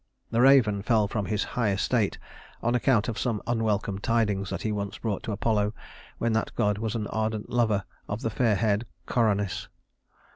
The raven fell from his high estate on account of some unwelcome tidings that he once brought to Apollo when that god was an ardent lover of the fair haired Coronis.